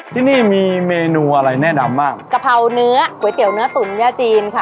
ที่นี่มีเมนูอะไรแน่นำมากกะเพล้าเนื้อของควยเตี๋ยวเนื้อตุ๋ลแย่จีนค่ะ